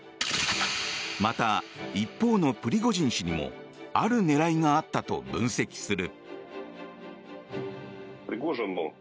また、一方のプリゴジン氏にもある狙いがあったと分析する。